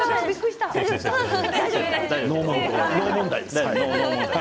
ノー問題です。